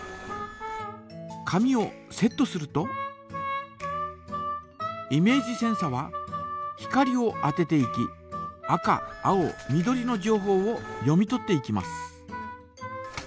紙をセットするとイメージセンサは光を当てていき赤青緑のじょうほうを読み取っていきます。